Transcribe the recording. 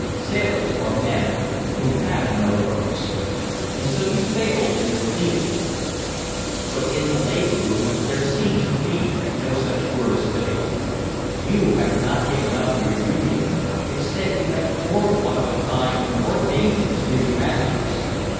Sailors are men who have no votes. And so you failed in your pleading. "But in the labor movement there seems to be no such word as fail! You have not given up your union instead you have formed one of a kind more dangerous to your masters!